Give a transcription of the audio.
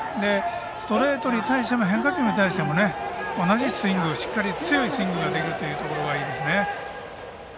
ストレートに対しても変化球に対しても強いスイングができるというところがいいですね。